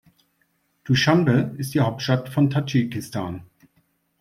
Duschanbe ist die Hauptstadt von Tadschikistan.